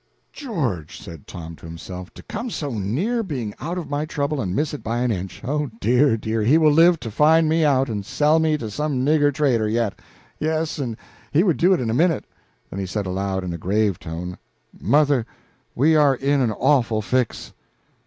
"'George!" said Tom to himself, "to come so near being out of my trouble, and miss it by an inch. Oh dear, dear, he will live to find me out and sell me to some nigger trader yet yes, and he would do it in a minute." Then he said aloud, in a grave tone "Mother, we are in an awful fix."